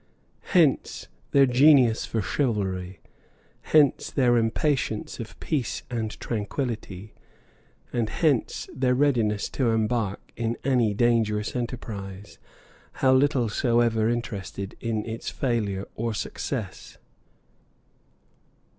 Hence their genius for chivalry; hence their impatience of peace and tranquillity; and hence their readiness to embark in any dangerous enterprise, how little soever interested in its failure or success.